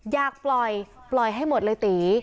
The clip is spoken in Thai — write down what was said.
อยากปล่อยปล่อยให้หมดเลยตี